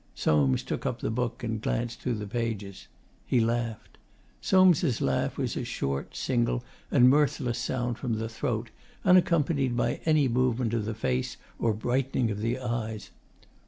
Soames took up the book and glanced through the pages. He laughed. Soames' laugh was a short, single and mirthless sound from the throat, unaccompanied by any movement of the face or brightening of the eyes.